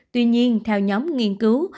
tuy nhiên theo nhóm nghiên cứu